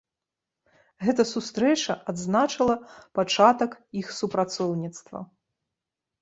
Гэта сустрэча адзначыла пачатак іх супрацоўніцтва.